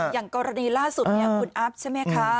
อย่างกรณีล่าสุดเนี่ยคุณอัพใช่มั้ยคะ